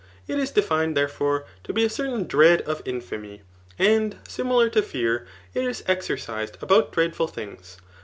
It is defined, therefore, to be a certain dread of infamy ; and, similar to fear, it is exercised about dread* ful things.